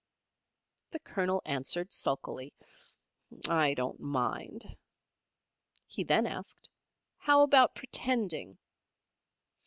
The Colonel answered, sulkily, "I don't mind." He then asked, "How about pretending?"